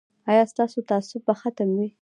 ایا ستاسو تعصب به ختم وي؟